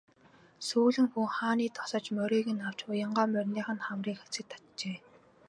Сүүлэн хүү хааны тосож морийг нь авч уянгаа мориных нь хамрыг сэт татжээ.